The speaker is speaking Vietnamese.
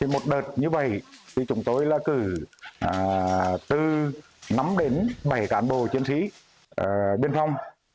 một đợt như vậy thì chúng tôi là cử từ năm đến bảy cán bộ chiến sĩ biên phong